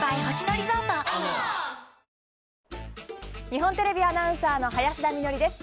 日本テレビアナウンサーの林田美学です。